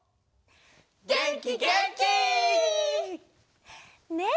げんきげんき！ねえ